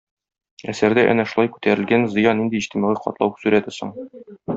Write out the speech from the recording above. Әсәрдә әнә шулай күтәрелгән Зыя нинди иҗтимагый катлау сурәте соң?